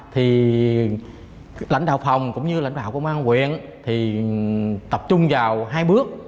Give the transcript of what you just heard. thì lãnh đạo phòng cũng như lãnh đạo công an huyện tập trung vào hai bước